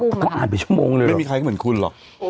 เขาอ่านไปชั่วโมงเลยไม่มีใครก็เหมือนคุณหรอก